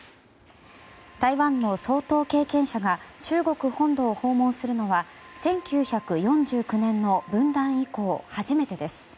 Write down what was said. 台湾の総統経験者が中国本土を訪問するのは１９４９年の分断以降初めてです。